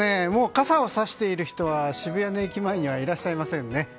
傘をさしている人は渋谷の駅前にはいらっしゃいませんね。